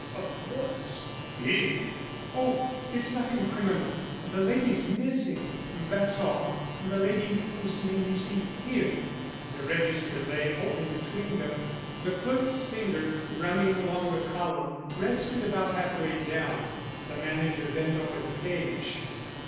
"Of course, if " "Oh! it's nothing criminal. The lady's missing, that's all; the lady whose name you see here." The register lay open between them; the clerk's finger, running along the column, rested about half way down. The manager bent over the page.